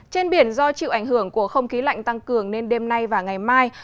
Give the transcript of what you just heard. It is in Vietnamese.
trên biển do chịu ảnh hưởng của không khí lạnh tăng cường nên đêm nay và ngày mai